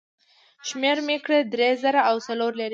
شمېر مې کړې، درې زره او څو لېرې وې.